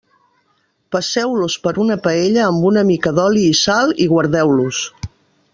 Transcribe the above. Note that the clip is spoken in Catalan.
Passeu-los per una paella amb una mica d'oli i sal i guardeu-los.